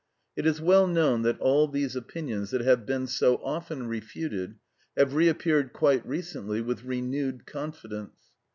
It is well known that all these opinions, that have been so often refuted, have reappeared quite recently with renewed confidence.